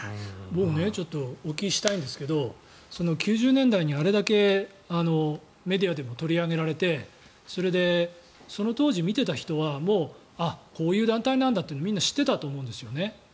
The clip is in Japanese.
僕、お聞きしたいんですが９０年代にあれだけメディアでも取り上げられてそれでその当時、見ていた人はあっ、こういう団体なんだとはみんな知っていたと思うんですよね。